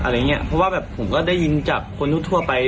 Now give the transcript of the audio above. เพราะว่าแบบผมก็ได้ยินจากคนทั่วไป